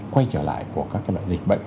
quay trở lại của các loại dịch bệnh